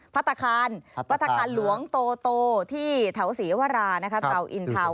พัตตาคานหลวงโตโตที่แถวศรีวราไทวอินทาว